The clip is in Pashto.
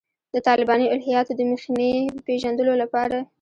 د طالباني الهیاتو د مخینې پېژندلو لپاره.